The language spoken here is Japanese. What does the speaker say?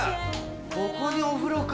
ここにお風呂か。